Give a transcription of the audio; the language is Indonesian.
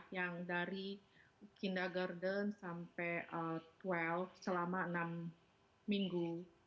yang dari kindergarten sampai dua belas selama enam minggu